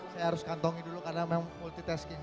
saya harus kantongi dulu karena memang multitasking